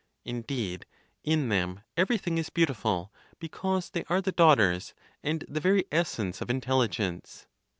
Indeed, in them everything is beautiful, because they are the daughters and the very essence of Intelligence.